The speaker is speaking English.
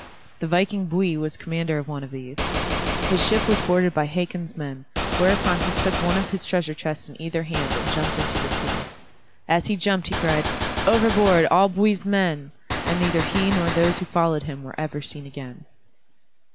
The viking Bui was commander of one of these. His ship was boarded by Hakon's men, whereupon he took one of his treasures chests in either hand and jumped into the sea. As he jumped he cried, "Overboard, all Bui's men," and neither he nor those who followed him were ever seen again.